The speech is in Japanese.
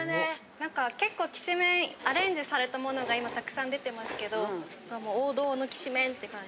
なんか結構きしめんアレンジされたものが今たくさん出てますけど王道のきしめんって感じ。